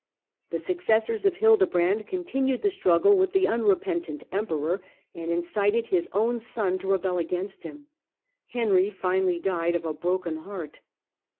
The successors of Hilde brand continued the struggle with the unrepentant Emperor and incited his own son to rebel against him. Henry finally died of a broken heart.